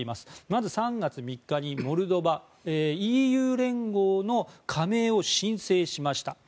まず３月３日にモルドバ、ＥＵ連合の加盟を申請しました。